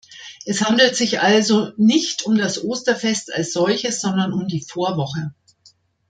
Es handelt sich also nicht um das Osterfest als solches, sondern um die Vorwoche.